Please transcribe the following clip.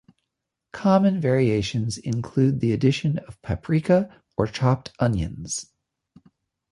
Common variations include the addition of paprika or chopped onions.